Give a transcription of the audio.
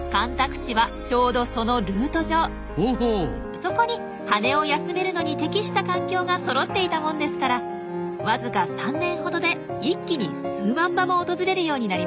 そこに羽を休めるのに適した環境がそろっていたもんですからわずか３年ほどで一気に数万羽も訪れるようになりました。